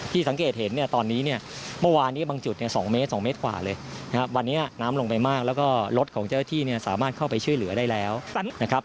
สังเกตเห็นเนี่ยตอนนี้เนี่ยเมื่อวานนี้บางจุดเนี่ย๒เมตร๒เมตรกว่าเลยนะครับวันนี้น้ำลงไปมากแล้วก็รถของเจ้าหน้าที่เนี่ยสามารถเข้าไปช่วยเหลือได้แล้วนะครับ